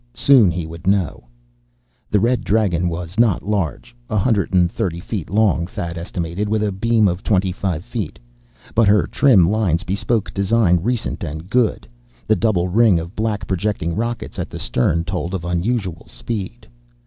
Soon he would know. The Red Dragon was not large. A hundred and thirty feet long, Thad estimated, with a beam of twenty five feet. But her trim lines bespoke design recent and good; the double ring of black projecting rockets at the stern told of unusual speed.